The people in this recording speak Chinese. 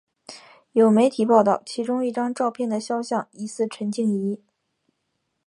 有媒体报道其中一张照片的肖像疑似陈静仪。